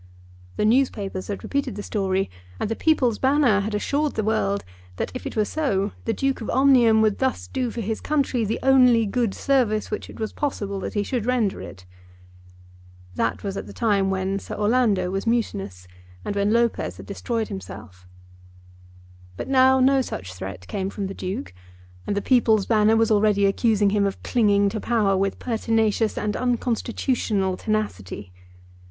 The newspapers had repeated the story, and the "People's Banner" had assured the world that if it were so the Duke of Omnium would thus do for his country the only good service which it was possible that he should render it. That was at the time when Sir Orlando was mutinous and when Lopez had destroyed himself. But now no such threat came from the Duke, and the "People's Banner" was already accusing him of clinging to power with pertinacious and unconstitutional tenacity.